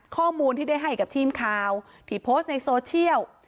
ข้อมูลที่ได้ให้กับทีมข่าวที่โพสต์ในโซเชียล